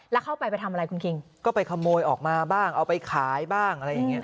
แล้วเข้าไปไปทำอะไรคุณคิงก็ไปขโมยออกมาบ้างเอาไปขายบ้างอะไรอย่างเงี้